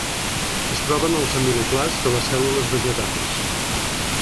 Es troba en els amiloplasts de les cèl·lules vegetals.